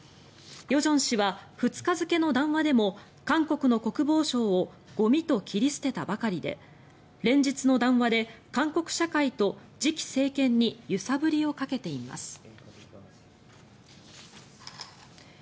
与正氏は２日付の談話でも韓国の国防相をゴミと切り捨てたばかりで連日の談話で韓国社会と次期政権に揺さぶりをかけています。